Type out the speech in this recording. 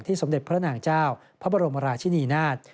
สมเด็จพระนางเจ้าพระบรมราชินีนาฏ